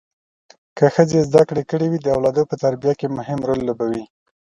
که ښځه زده کړې کړي وي اولادو په تربیه کې مهم رول لوبوي